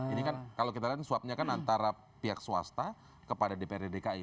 ini kan kalau kita lihat swabnya kan antara pihak swasta kepada dprdki